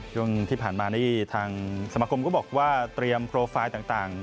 ช่วงที่ผ่านมานี่ทางสมาคมก็บอกว่าเตรียมโปรไฟล์ต่าง